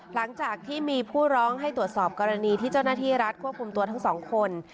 หลังจากที่มีผู้ร้องให้ตรวจสอบกรณีที่เจ้าหน้าที่รัฐควบคุมตัวทั้งสองคน